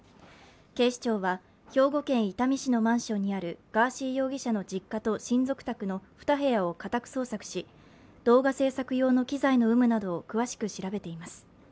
警視庁は兵庫県伊丹市のマンションにあるガーシー容疑者の実家と親族宅の２部屋を家宅捜索し動画制作用の機材の有無などを詳しく調べています。